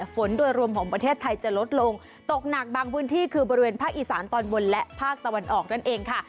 ฝนโดยรวมของประเทศไทยจะลดลงตกหนักบางพื้นที่คือบริเวณภาคอีสานตอนบนและภาคตะวันออกนั่นเองค่ะ